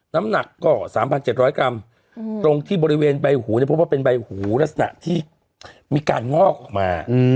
น้ำหนักก็๓๗๐๐กรัมตรงที่บริเวณใบหูเนี่ยพบว่าเป็นใบหูลักษณะที่มีการงอกออกมา